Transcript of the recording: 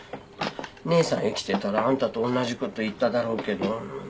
姉さん生きてたらあんたとおんなじこと言っただろうけど。